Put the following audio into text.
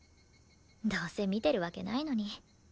どうせ見てるわけないのに。